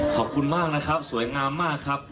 ขอบคุณมากนะครับสวยงามมากครับ